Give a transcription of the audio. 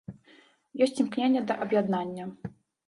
Ёсць імкненне да аб'яднання.